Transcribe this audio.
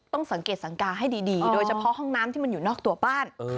ต้องสังเกตสังกาให้ดีโดยเฉพาะห้องน้ำที่มันอยู่นอกตัวบ้าน